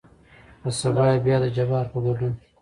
په سبا يې بيا دجبار په ګدون